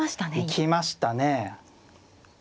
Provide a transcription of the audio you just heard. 行きましたね。